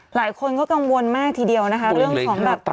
หลายคนก็กังวลมากทีเดียวนะคะ